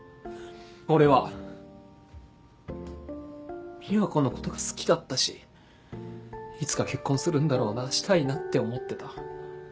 俺は美和子のことが好きだったしいつか結婚するんだろうなしたいなって思ってた。